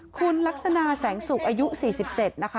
คุณลักษณะแสงสุกอายุ๔๗นะคะ